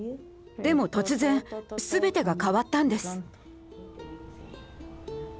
でも突然全てが変わったんです。